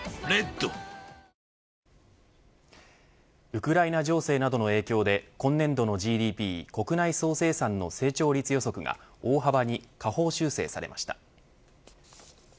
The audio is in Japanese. ウクライナ情勢などの影響で今年度のＧＤＰ国内総生産の成長率予測が大幅に下方修正されました。